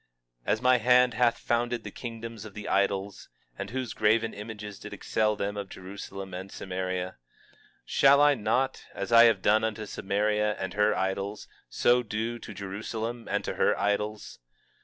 20:10 As my hand hath founded the kingdoms of the idols, and whose graven images did excel them of Jerusalem and of Samaria; 20:11 Shall I not, as I have done unto Samaria and her idols, so do to Jerusalem and to her idols?